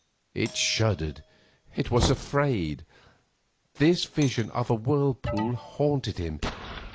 It shuddered, it was afraid; this vision of a whirlpool haunted him.